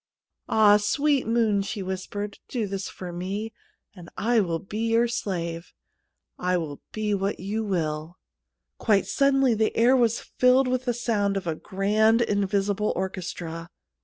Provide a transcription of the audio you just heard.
' Ah ! sweet moon,' she whispered, ' do this for me, and I will be your slave ; I will be what you will.' Quite suddenly the air was filled with the sound of a grand invisible orchestra.